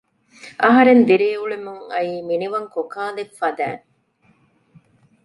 އަހަރެން ދިރިއުޅެމުން އައީ މިނިވަން ކޮކާލެއް ފަދައިން